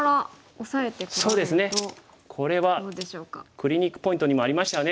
クリニックポイントにもありましたよね。